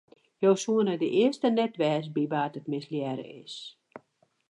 Jo soene de earste net wêze by wa't it mislearre is.